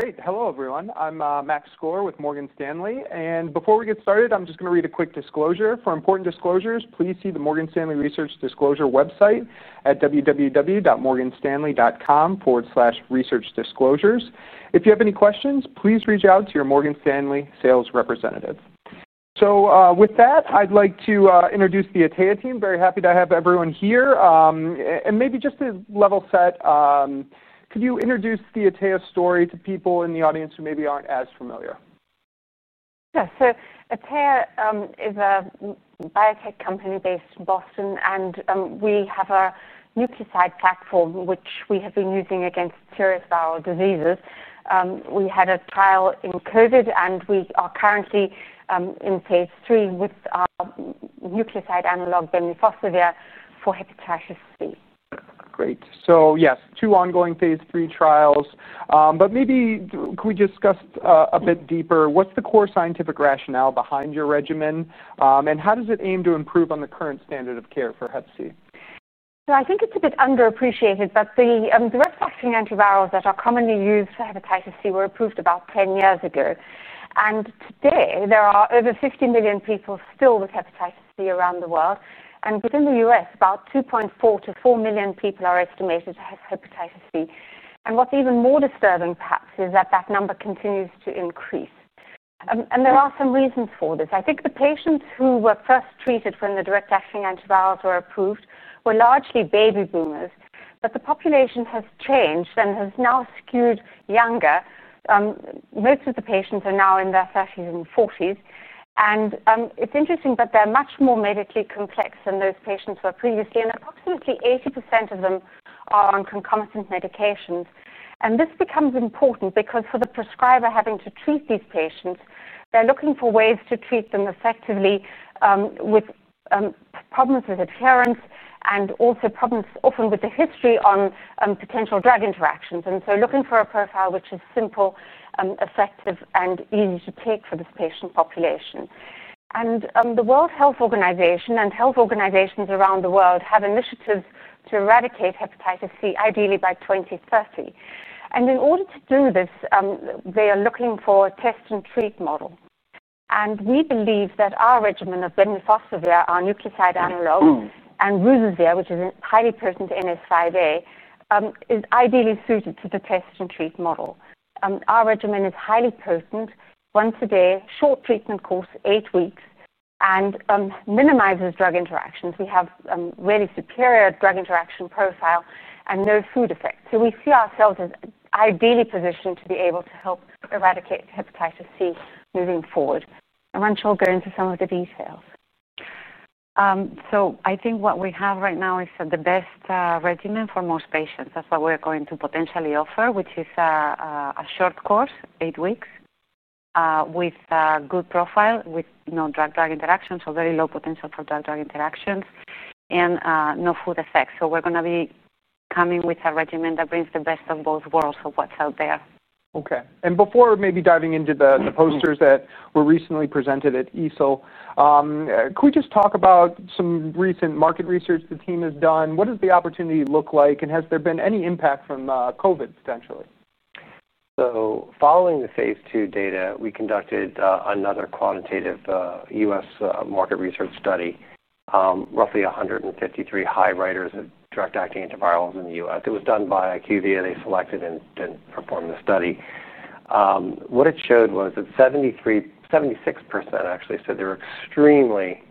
Great. Hello, everyone. I'm Max Skor with Morgan Stanley. Before we get started, I'm just going to read a quick disclosure. For important disclosures, please see the Morgan Stanley Research Disclosure website at www.morganstanley.com/researchdisclosures. If you have any questions, please reach out to your Morgan Stanley sales representative. With that, I'd like to introduce the Atea team. Very happy to have everyone here. Maybe just to level set, could you introduce the Atea story to people in the audience who maybe aren't as familiar? Yeah. Atea is a biotech company based in Boston. We have a nucleoside platform, which we have been using against serious viral diseases. We had a trial in COVID. We are currently in phase 3 with our nucleoside analog, bemnifosbuvir, for hepatitis C. Great. Yes, two ongoing phase 3 trials. Could we discuss a bit deeper? What's the core scientific rationale behind your regimen, and how does it aim to improve on the current standard of care for hep C? I think it's a bit underappreciated, but the direct-acting antivirals that are commonly used for hepatitis C were approved about 10 years ago. Today, there are over 50 million people still with hepatitis C around the world. Within the U.S., about 2.4 to 4 million people are estimated to have hepatitis C. What's even more disturbing, perhaps, is that that number continues to increase. There are some reasons for this. I think the patients who were first treated when the direct-acting antivirals were approved were largely baby boomers. The population has changed and has now skewed younger. Most of the patients are now in their 30s and 40s. It's interesting that they're much more medically complex than those patients who were previously. Approximately 80% of them are on concomitant medications. This becomes important because for the prescriber having to treat these patients, they're looking for ways to treat them effectively with problems with adherence and also problems often with the history on potential drug-drug interactions. Looking for a profile which is simple, effective, and easy to take for this patient population is key. The World Health Organization and health organizations around the world have initiatives to eradicate hepatitis C, ideally by 2030. In order to do this, they are looking for a test and treat model. We believe that our regimen of bemnifosbuvir, our nucleoside analog, and ruzasvir, which is a highly potent NS5A, is ideally suited to the test and treat model. Our regimen is highly potent, once a day, short treatment course, eight weeks, and minimizes drug-drug interactions. We have a really superior drug-drug interaction profile and no food effects. We see ourselves as ideally positioned to be able to help eradicate hepatitis C moving forward. I'm sure we'll go into some of the details. I think what we have right now is the best regimen for most patients. That's what we're going to potentially offer, which is a short course, eight weeks, with a good profile, with no drug-drug interactions, so very low potential for drug-drug interactions, and no food effects. We're going to be coming with a regimen that brings the best of both worlds of what's out there. OK. Before maybe diving into the posters that were recently presented at ESOL, could we just talk about some recent market research the team has done? What does the opportunity look like? Has there been any impact from COVID, potentially? Following the phase 2 data, we conducted another quantitative U.S. market research study, roughly 153 high-writers of direct-acting antivirals in the U.S. It was done by IQVIA. They selected and performed the study. What it showed was that 76% actually said they were extremely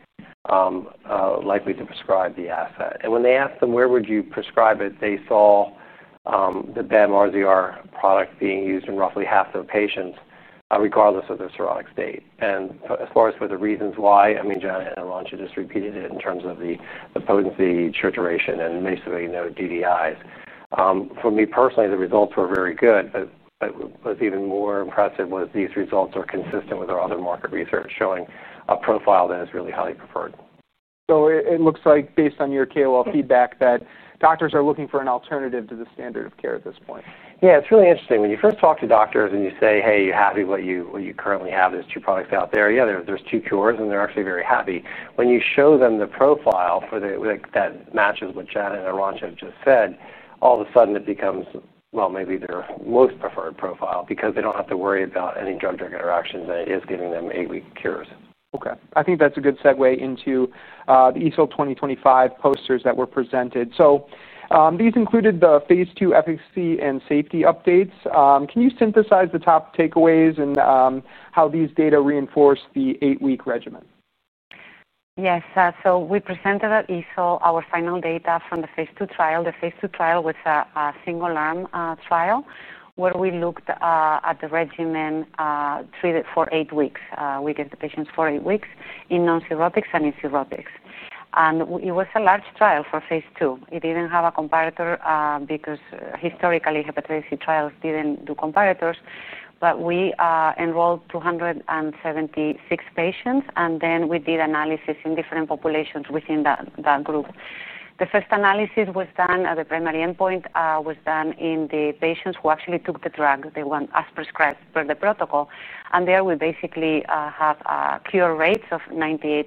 likely to prescribe the asset. When they asked them where would you prescribe it, they saw the bemnifosbuvir product being used in roughly half of the patients, regardless of their cirrhotic state. As far as for the reasons why, I mean, Janet Hammond just repeated it in terms of the potency, short duration, and basically, no drug-drug interactions. For me personally, the results were very good. What's even more impressive was these results are consistent with our other market research, showing a profile that is really highly preferred. It looks like, based on your KOL feedback, that doctors are looking for an alternative to the standard of care at this point. Yeah, it's really interesting. When you first talk to doctors and you say, hey, you're happy with what you currently have, there's two products out there. Yeah, there's two cures. They're actually very happy. When you show them the profile that matches what Janet and Arantxa just said, all of a sudden, it becomes, maybe their most preferred profile because they don't have to worry about any drug-drug interactions. It is giving them eight-week cures. OK. I think that's a good segue into the EASL 2025 posters that were presented. These included the phase 2 efficacy and safety updates. Can you synthesize the top takeaways and how these data reinforce the eight-week regimen? Yes. We presented at EASL our final data from the phase 2 trial. The phase 2 trial was a single-arm trial where we looked at the regimen treated for eight weeks. We gave the patients for eight weeks in non-cirrhotics and in cirrhotics. It was a large trial for phase 2. It didn't have a comparator because historically, hepatitis C trials didn't do comparators. We enrolled 276 patients. We did analysis in different populations within that group. The first analysis was done at the primary endpoint, in the patients who actually took the drug, the ones as prescribed per the protocol. There, we basically have cure rates of 98%.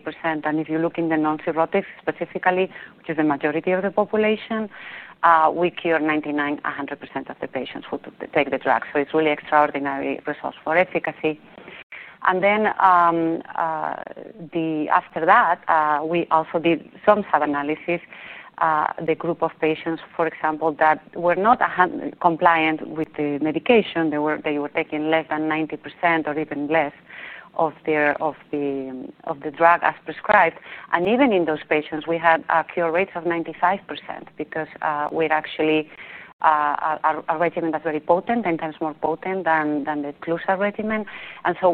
If you look in the non-cirrhotics specifically, which is the majority of the population, we cure 99, 100% of the patients who take the drug. It's really extraordinary results for efficacy. After that, we also did some sub-analysis. The group of patients, for example, that were not compliant with the medication, they were taking less than 90% or even less of the drug as prescribed. Even in those patients, we had cure rates of 95% because we're actually a regimen that's very potent, 10 times more potent than the C4WRD regimen.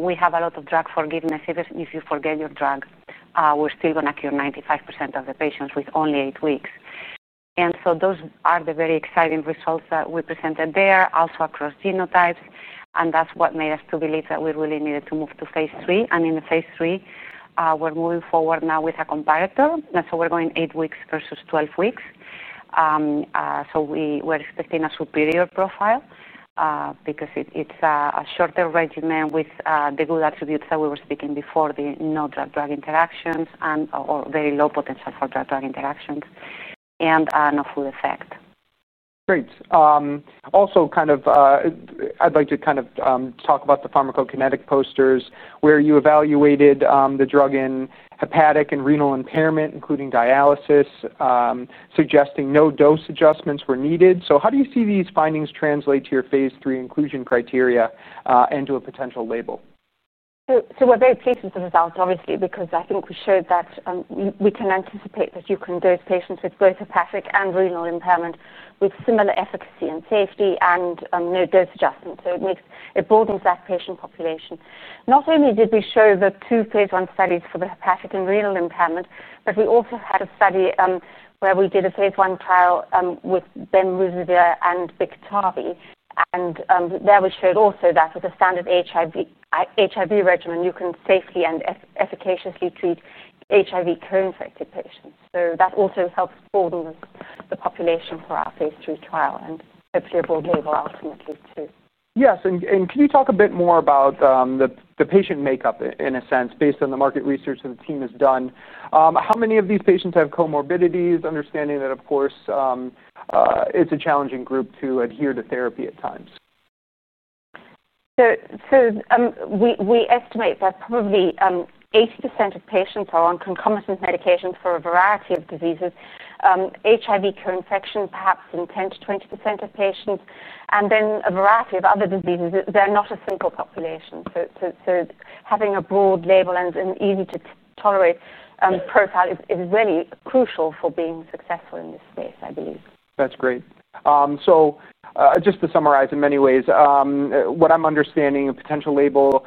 We have a lot of drug forgiveness. Even if you forget your drug, we're still going to cure 95% of the patients with only eight weeks. Those are the very exciting results that we presented there, also across genotypes. That's what made us believe that we really needed to move to phase 3. In the phase 3, we're moving forward now with a comparator. We're going eight weeks versus 12 weeks. We were expecting a superior profile because it's a shorter regimen with the good attributes that we were speaking before, the no drug-drug interactions and/or very low potential for drug-drug interactions and no food effect. Great. I'd like to talk about the pharmacokinetic posters, where you evaluated the drug in hepatic and renal impairment, including dialysis, suggesting no dose adjustments were needed. How do you see these findings translate to your phase 3 inclusion criteria and to a potential label? We're very pleased with the results, obviously, because I think we showed that we can anticipate that you can dose patients with both hepatic and renal impairment with similar efficacy and safety and no dose adjustment. It broadens that patient population. Not only did we show the two phase 1 studies for the hepatic and renal impairment, but we also had a study where we did a phase 1 trial with bemnifosbuvir and Biktarvy. There, we showed also that with the standard HIV regimen, you can safely and efficaciously treat HIV co-infected patients. That also helps for the population for our phase 3 trial and hopefully a broad label ultimately, too. Yes. Can you talk a bit more about the patient makeup, in a sense, based on the market research that the team has done? How many of these patients have comorbidities, understanding that, of course, it's a challenging group to adhere to therapy at times? We estimate that probably 80% of patients are on concomitant medications for a variety of diseases, HIV co-infection perhaps in 10% to 20% of patients, and then a variety of other diseases. They're not a single population. Having a broad label and an easy-to-tolerate profile is really crucial for being successful in this space, I believe. That's great. Just to summarize, in many ways, what I'm understanding, a potential label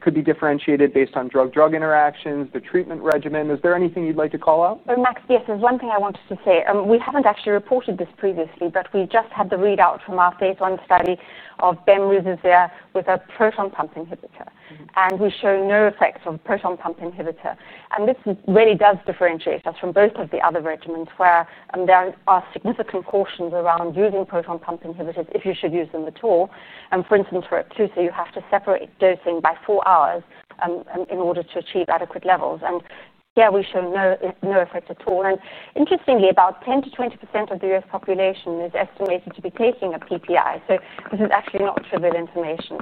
could be differentiated based on drug-drug interactions, the treatment regimen. Is there anything you'd like to call out? Yes, there's one thing I wanted to say. We haven't actually reported this previously. We just had the readout from our phase 1 study of bemnifosbuvir with a proton pump inhibitor, and we show no effects of proton pump inhibitor. This really does differentiate us from both of the other regimens, where there are significant cautions around using proton pump inhibitors if you should use them at all. For instance, for Epclusa, you have to separate dosing by four hours in order to achieve adequate levels. We show no effect at all. Interestingly, about 10% to 20% of the U.S. population is estimated to be taking a PPI. This is actually not trivial information.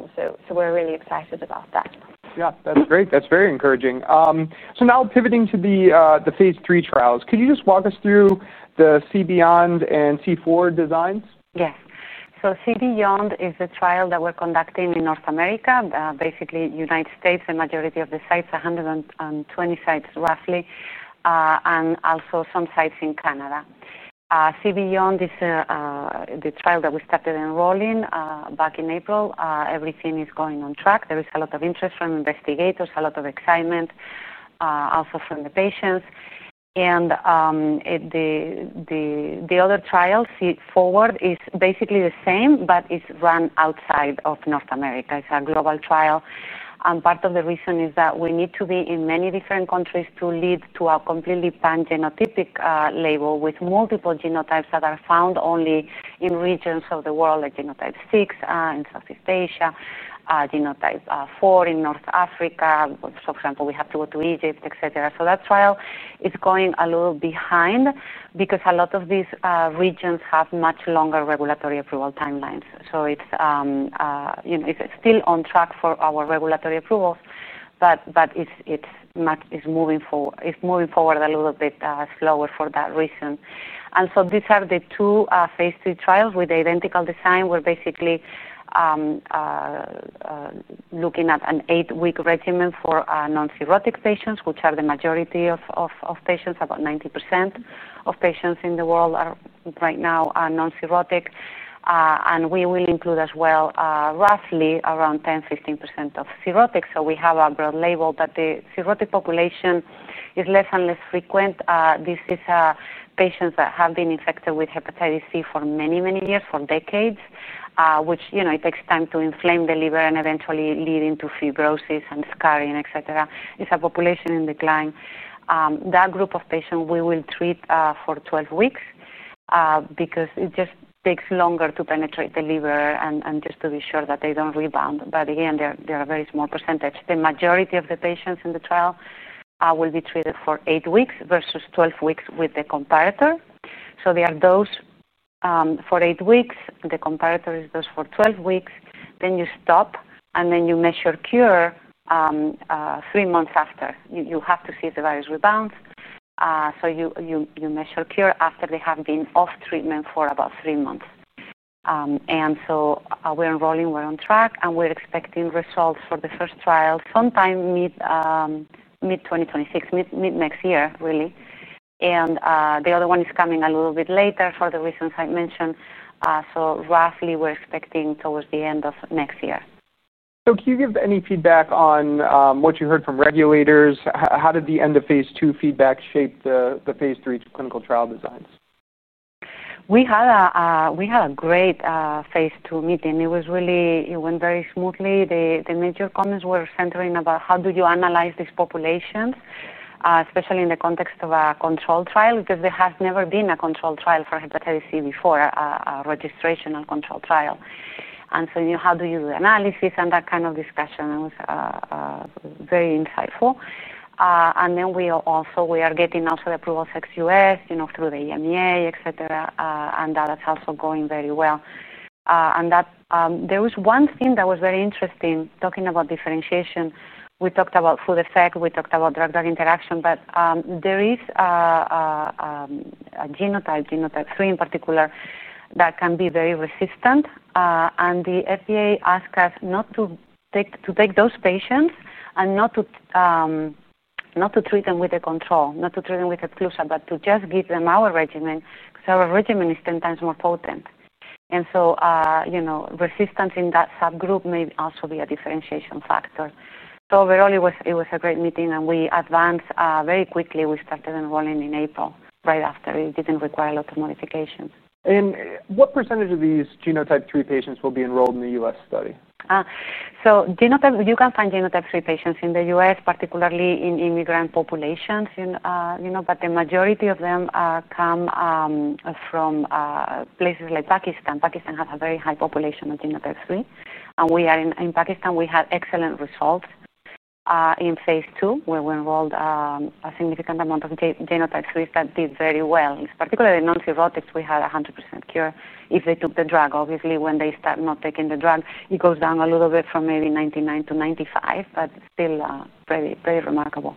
We're really excited about that. Yeah, that's great. That's very encouraging. Now pivoting to the phase 3 trials, could you just walk us through the CBYOND and C4WRD designs? Yes. CBYOND is a trial that we're conducting in North America, basically the United States, the majority of the sites, 120 sites roughly, and also some sites in Canada. CBYOND is the trial that we started enrolling back in April. Everything is going on track. There is a lot of interest from investigators, a lot of excitement, also from the patients. The other trial, C4WRD, is basically the same, but it's run outside of North America. It's a global trial. Part of the reason is that we need to be in many different countries to lead to a completely pan-genotypic label with multiple genotypes that are found only in regions of the world, like genotype 6 in Southeast Asia, genotype 4 in North Africa. For example, we have to go to Egypt, et cetera. That trial is going a little behind because a lot of these regions have much longer regulatory approval timelines. It's still on track for our regulatory approvals. It's moving forward a little bit slower for that reason. These are the two phase 3 trials with the identical design. We're basically looking at an eight-week regimen for non-cirrhotic patients, which are the majority of patients. About 90% of patients in the world are right now non-cirrhotic. We will include as well roughly around 10%, 15% of cirrhotics. We have a broad label. The cirrhotic population is less and less frequent. These are patients that have been infected with hepatitis C for many, many years, for decades, which it takes time to inflame the liver and eventually lead into fibrosis and scarring, et cetera. It's a population in decline. That group of patients, we will treat for 12 weeks because it just takes longer to penetrate the liver and just to be sure that they don't rebound. They're a very small percentage. The majority of the patients in the trial will be treated for eight weeks versus 12 weeks with the comparator. They are dosed for eight weeks. The comparator is dosed for 12 weeks. You stop. You measure cure three months after. You have to see if the virus rebounds. You measure cure after they have been off treatment for about three months. We're enrolling. We're on track. We're expecting results for the first trial sometime mid-2026, mid next year, really. The other one is coming a little bit later for the reasons I mentioned. Roughly, we're expecting towards the end of next year. Can you give any feedback on what you heard from regulators? How did the end of phase 2 feedback shape the phase 3 clinical trial designs? We had a great phase 2 meeting. It went very smoothly. The major comments were centering about how do you analyze these populations, especially in the context of a control trial because there has never been a control trial for hepatitis C before, a registration or control trial. How do you do the analysis and that kind of discussion was very insightful. We are getting also the approvals ex-U.S. through the EMEA, et cetera. That is also going very well. There was one thing that was very interesting. Talking about differentiation, we talked about food effect. We talked about drug-drug interaction. There is a genotype, genotype 3 in particular, that can be very resistant. The FDA asked us not to take those patients and not to treat them with a control, not to treat them with Epclusa, but to just give them our regimen because our regimen is 10 times more potent. Resistance in that subgroup may also be a differentiation factor. Overall, it was a great meeting. We advanced very quickly. We started enrolling in April, right after. It didn't require a lot of modification. What percentage of these genotype 3 patients will be enrolled in the U.S. study? You can find genotype 3 patients in the U.S., particularly in immigrant populations. The majority of them come from places like Pakistan. Pakistan has a very high population of genotype 3. In Pakistan, we had excellent results in phase 2, where we enrolled a significant amount of genotype 3s that did very well. In particular, the non-cirrhotics, we had 100% cure if they took the drug. Obviously, when they start not taking the drug, it goes down a little bit from maybe 99% to 95%, but still very remarkable.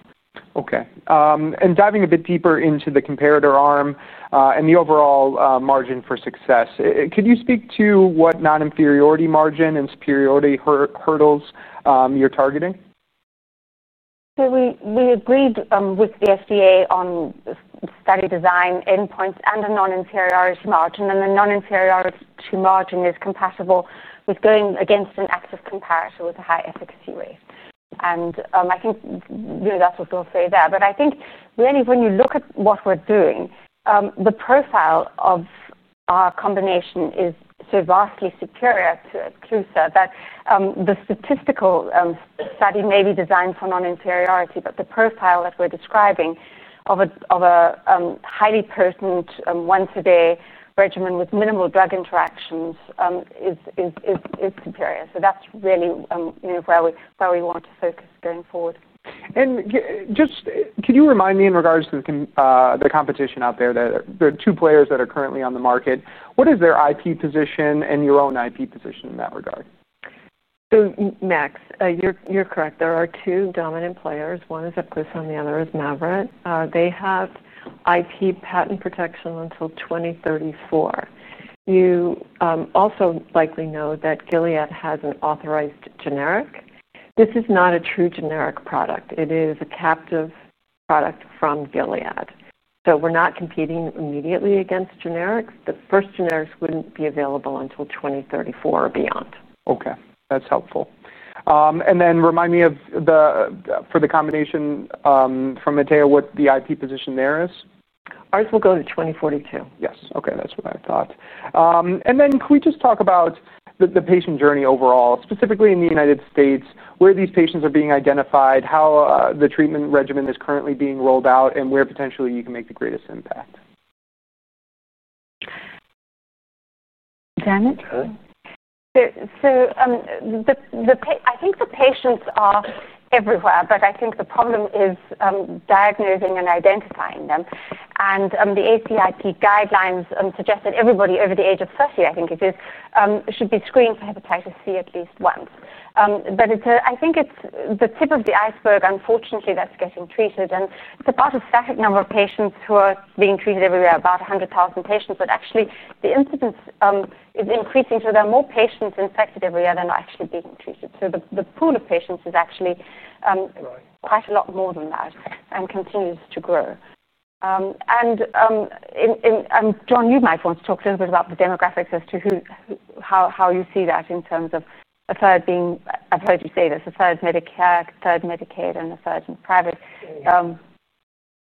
OK. Diving a bit deeper into the comparator arm and the overall margin for success, could you speak to what non-inferiority margin and superiority hurdles you're targeting? We agreed with the FDA on study design endpoints and a non-inferiority margin. The non-inferiority margin is compatible with going against an active comparator with a high efficacy rate. I think that's what they'll say there. I think really, when you look at what we're doing, the profile of our combination is so vastly superior to Epclusa that the statistical study may be designed for non-inferiority, but the profile that we're describing of a highly potent once-a-day regimen with minimal drug interactions is superior. That's really where we want to focus going forward. Can you remind me in regards to the competition out there, the two players that are currently on the market, what is their IP position and your own IP position in that regard? Max, you're correct. There are two dominant players. One is Epclusa, and the other is Mavyret. They have IP patent protection until 2034. You also likely know that Gilead has an authorized generic. This is not a true generic product. It is a captive product from Gilead. We're not competing immediately against generics. The first generics wouldn't be available until 2034 or beyond. OK. That's helpful. Remind me for the combination from Atea what the IP position there is. Ours will go to 2042. Yes. OK. That's what I thought. Could we just talk about the patient journey overall, specifically in the United States, where these patients are being identified, how the treatment regimen is currently being rolled out, and where potentially you can make the greatest impact? Janet? I think the patients are everywhere. I think the problem is diagnosing and identifying them. The ACIP guidelines suggest that everybody over the age of 30, I think it is, should be screened for hepatitis C at least once. I think it's the tip of the iceberg, unfortunately, that's getting treated. It's about a static number of patients who are being treated every year, about 100,000 patients. Actually, the incidence is increasing. There are more patients infected every year than are actually being treated. The pool of patients is actually quite a lot more than that and continues to grow. John, you might want to talk a little bit about the demographics as to how you see that in terms of a third being, I've heard you say this, a third Medicare, a third Medicaid, and a third in private.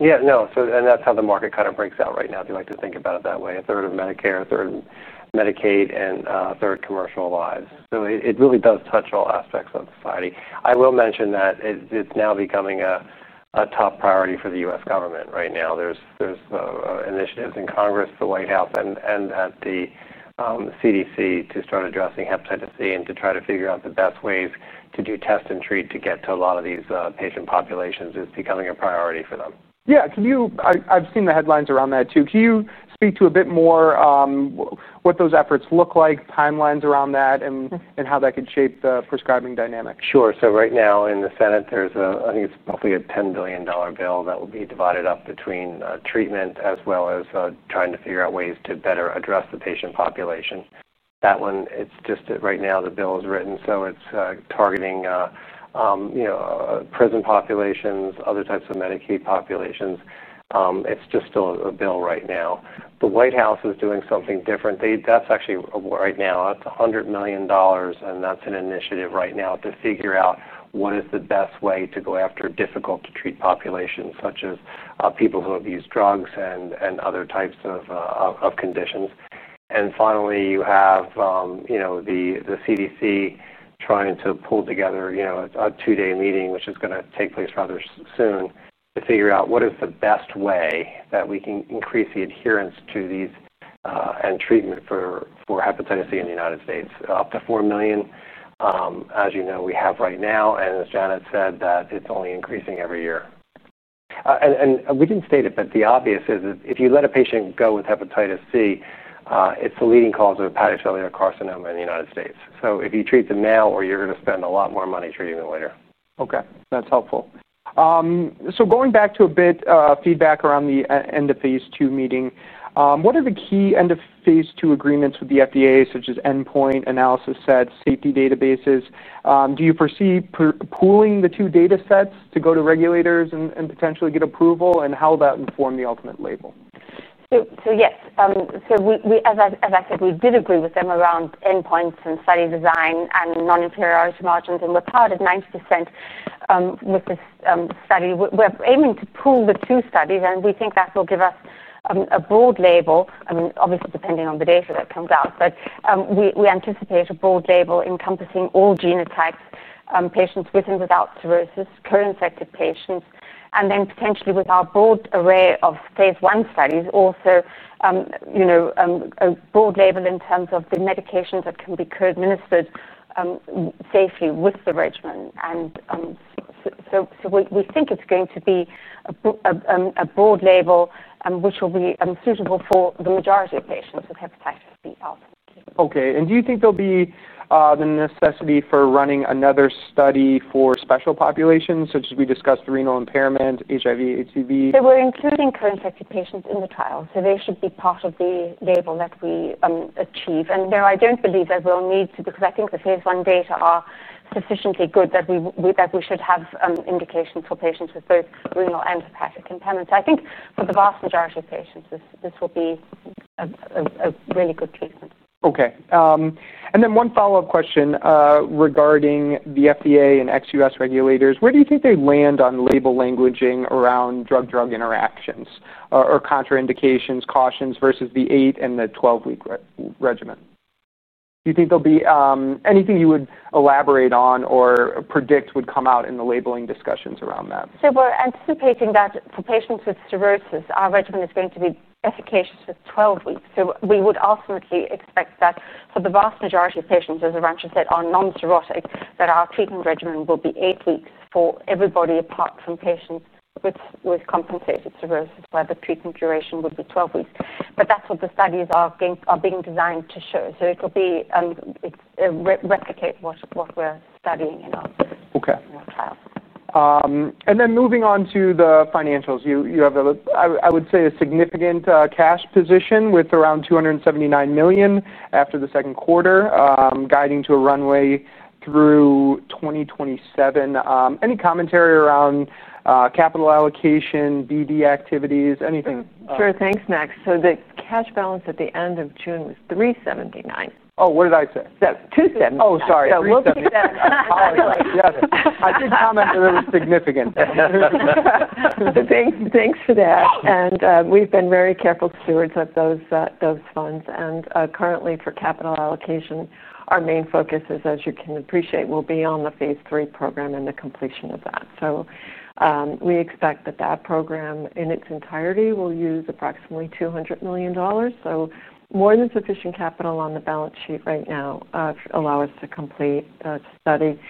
Yeah, no. That's how the market kind of breaks out right now. They like to think about it that way, a third Medicare, a third Medicaid, and a third commercial lives. It really does touch all aspects of society. I will mention that it's now becoming a top priority for the U.S. government right now. There are initiatives in Congress, the White House, and at the CDC to start addressing hepatitis C and to try to figure out the best ways to do test and treat to get to a lot of these patient populations. It is becoming a priority for them. I've seen the headlines around that, too. Can you speak to a bit more what those efforts look like, timelines around that, and how that could shape the prescribing dynamic? Sure. Right now in the Senate, I think it's roughly a $10 billion bill that will be divided up between treatment as well as trying to figure out ways to better address the patient population. That one, it's just right now, the bill is written. It's targeting prison populations, other types of Medicaid populations. It's just still a bill right now. The White House is doing something different. That's actually right now, that's $100 million. That's an initiative right now to figure out what is the best way to go after difficult-to-treat populations, such as people who have used drugs and other types of conditions. Finally, you have the CDC trying to pull together a two-day meeting, which is going to take place rather soon, to figure out what is the best way that we can increase the adherence to these and treatment for hepatitis C in the United States. Up to 4 million, as you know, we have right now. As Janet said, it's only increasing every year. We didn't state it, but the obvious is that if you let a patient go with hepatitis C, it's the leading cause of hepatocellular carcinoma in the United States. If you treat them now, or you're going to spend a lot more money treating them later. OK. That's helpful. Going back to a bit of feedback around the end of phase 2 meeting, what are the key end of phase 2 agreements with the FDA, such as endpoint, analysis sets, safety databases? Do you foresee pooling the two data sets to go to regulators and potentially get approval? How will that inform the ultimate label? Yes, as I said, we did agree with them around endpoints and study design and non-inferiority margins. We're part of 90% with this study. We're aiming to pool the two studies, and we think that will give us a broad label. Obviously, depending on the data that comes out, we anticipate a broad label encompassing all genotypes, patients with and without cirrhosis, current active patients, and then potentially with our broad array of phase 1 studies, also a broad label in terms of the medications that can be co-administered safely with the regimen. We think it's going to be a broad label, which will be suitable for the majority of patients with hepatitis C, obviously. OK. Do you think there'll be the necessity for running another study for special populations, such as we discussed renal impairment, HIV, HIV? We're including current active patients in the trial. They should be part of the label that we achieve. I don't believe that we'll need to because I think the phase 1 data are sufficiently good that we should have indications for patients with both renal and hepatic impairment. I think for the vast majority of patients, this will be a really good treatment. OK. One follow-up question regarding the FDA and ex-US regulators. Where do you think they land on label languaging around drug-drug interactions or contraindications, cautions versus the 8 and the 12-week regimen? Do you think there'll be anything you would elaborate on or predict would come out in the labeling discussions around that? We are anticipating that for patients with cirrhosis, our regimen is going to be efficacious for 12 weeks. We would ultimately expect that for the vast majority of patients, as Arantxa said, are non-cirrhotic, that our treatment regimen will be eight weeks for everybody apart from patients with compensated cirrhosis, where the treatment duration would be 12 weeks. That is what the studies are being designed to show. It will replicate what we are studying in our trial. OK. Moving on to the financials, you have, I would say, a significant cash position with around $279 million after the second quarter, guiding to a runway through 2027. Any commentary around capital allocation, BD activities, anything? Sure. Thanks, Max. The cash balance at the end of June was $379 million. What did I say? $279. Oh, sorry. A little bit of debt. I did comment that it was significant. Thanks for that. We've been very careful stewards of those funds. Currently, for capital allocation, our main focus is, as you can appreciate, on the phase 3 program and the completion of that. We expect that program in its entirety will use approximately $200 million. There is more than sufficient capital on the balance sheet right now to allow us to complete a study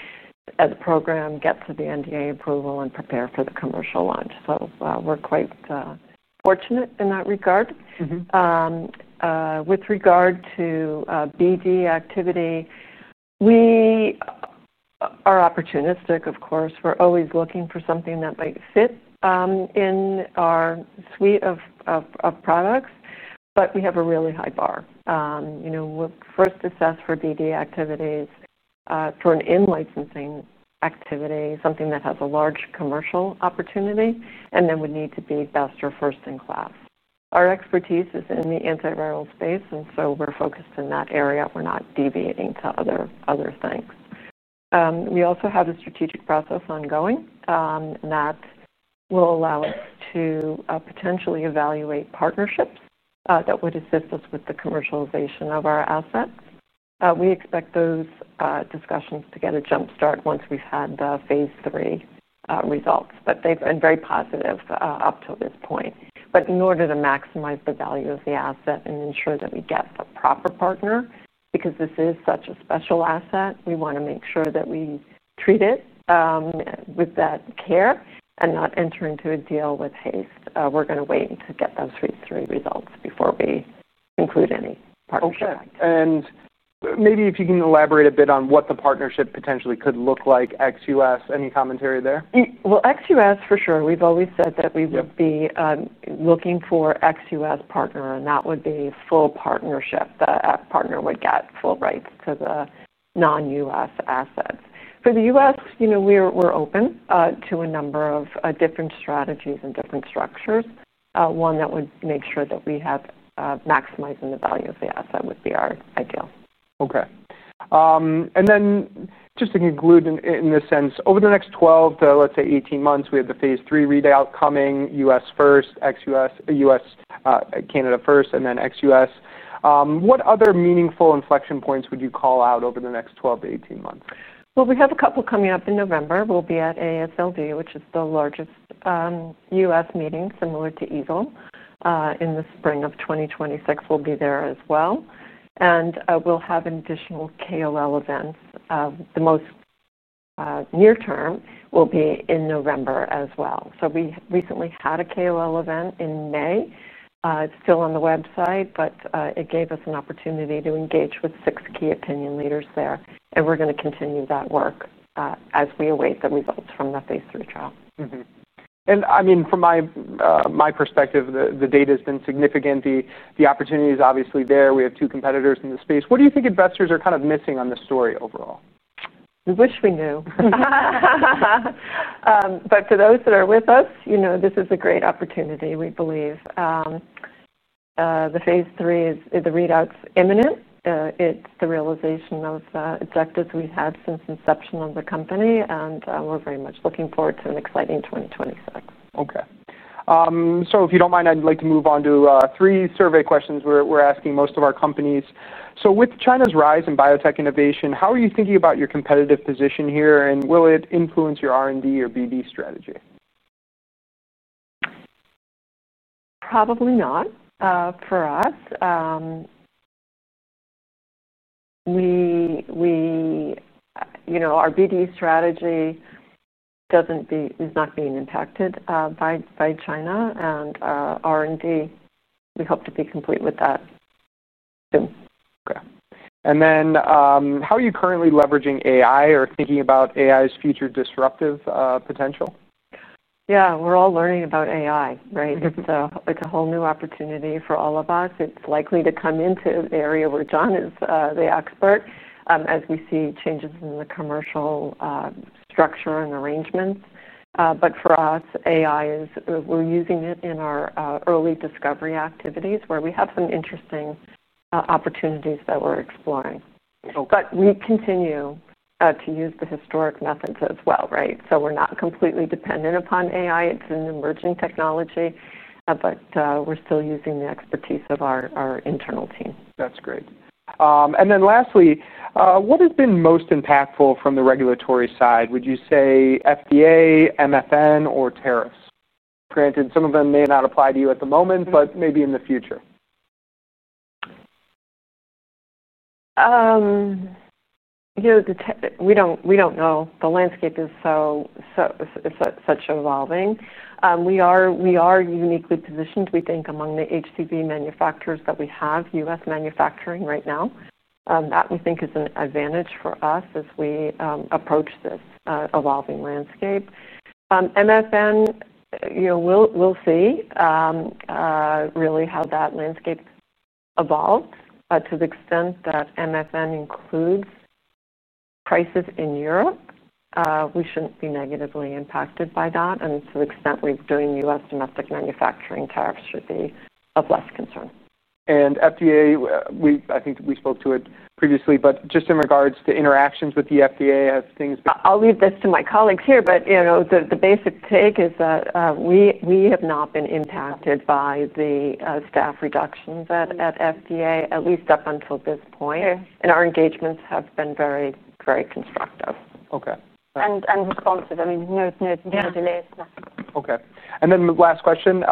and the program, get to the NDA approval, and prepare for the commercial launch. We're quite fortunate in that regard. With regard to BD activity, we are opportunistic, of course. We're always looking for something that might fit in our suite of products. We have a really high bar. We'll first assess for BD activities for an in-licensing activity, something that has a large commercial opportunity and then would need to be best or first in class. Our expertise is in the antiviral space, and we're focused in that area. We're not deviating to other things. We also have a strategic process ongoing that will allow us to potentially evaluate partnerships that would assist us with the commercialization of our assets. We expect those discussions to get a jump start once we've had the phase 3 results. They've been very positive up till this point. In order to maximize the value of the asset and ensure that we get the proper partner, because this is such a special asset, we want to make sure that we treat it with that care and not enter into a deal with haste. We're going to wait to get those phase 3 results before we include any partnership. OK. Could you elaborate a bit on what the partnership potentially could look like ex-U.S., any commentary there? Ex-US, for sure. We've always said that we would be looking for ex-US partner, and that would be a full partnership. That partner would get full rights to the non-US assets. For the US, we're open to a number of different strategies and different structures. One that would make sure that we have maximizing the value of the asset would be our ideal. OK. Just to conclude in this sense, over the next 12, let's say 18 months, we have the phase 3 readout coming, U.S. first, ex-U.S., Canada first, and then ex-U.S. What other meaningful inflection points would you call out over the next 12 to 18 months? We have a couple coming up in November. We'll be at AASLD, which is the largest U.S. meeting, similar to EASL, in the spring of 2026. We'll be there as well, and we'll have additional KOL events. The most near term will be in November as well. We recently had a KOL event in May. It's still on the website. It gave us an opportunity to engage with six key opinion leaders there, and we're going to continue that work as we await the results from the phase 3 trial. From my perspective, the data has been significant. The opportunity is obviously there. We have two competitors in the space. What do you think investors are kind of missing on this story overall? We wish we knew. For those that are with us, this is a great opportunity, we believe. The phase 3 readout's imminent. It's the realization of objectives we've had since inception of the company, and we're very much looking forward to an exciting 2026. OK. If you don't mind, I'd like to move on to three survey questions we're asking most of our companies. With China's rise in biotech innovation, how are you thinking about your competitive position here? Will it influence your R&D or BD strategy? Probably not for us. Our BD strategy is not being impacted by China. Our R&D, we hope to be complete with that soon. OK. How are you currently leveraging AI or thinking about AI's future disruptive potential? Yeah, we're all learning about AI, right? It's a whole new opportunity for all of us. It's likely to come into an area where John is the expert as we see changes in the commercial structure and arrangements. For us, AI is we're using it in our early discovery activities, where we have some interesting opportunities that we're exploring. We continue to use the historic methods as well, right? We're not completely dependent upon AI. It's an emerging technology. We're still using the expertise of our internal team. That's great. Lastly, what has been most impactful from the regulatory side, would you say FDA, MFN, or tariffs? Granted, some of them may not apply to you at the moment, but maybe in the future. We don't know. The landscape is such evolving. We are uniquely positioned, we think, among the HCV manufacturers that we have U.S. manufacturing right now. That we think is an advantage for us as we approach this evolving landscape. MFN, we'll see really how that landscape evolves. To the extent that MFN includes prices in Europe, we shouldn't be negatively impacted by that. To the extent we're doing U.S. domestic manufacturing, tariffs should be of less concern. the FDA, I think we spoke to it previously. Just in regards to interactions with the FDA, have things. I'll leave this to my colleagues here. The basic take is that we have not been impacted by the staff reductions at the FDA, at least up until this point, and our engagements have been very, very constructive. OK. Responsive. I mean, no delays. OK. Last question.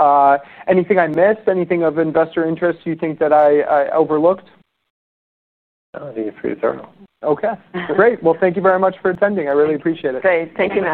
Anything I missed? Anything of investor interest you think that I overlooked? No, I think you're pretty thorough. OK. Great. Thank you very much for attending. I really appreciate it. Great. Thank you.